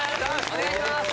お願いします！